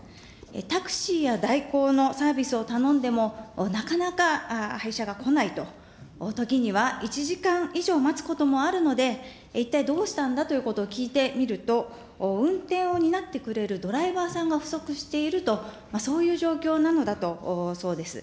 タクシーや代行のサービスを頼んでも、なかなか配車が来ないと、ときには１時間以上待つこともあるので、一体どうしたんだということを聞いてみると、運転を担ってくれるドライバーさんが不足していると、そういう状況なのだそうです。